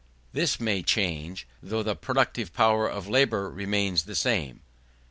This may change, though the productive power of labour remains the same.